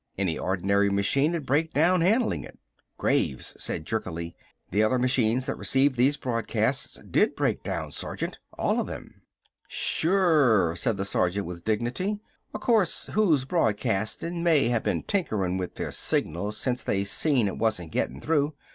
Any ordinary machine 'ud break down handlin' it." Graves said jerkily: "The other machines that received these broadcasts did break down, Sergeant. All of them." "Sure!" said the sergeant with dignity. "O' course, who's broadcastin' may have been tinkerin' with their signal since they seen it wasn't gettin' through.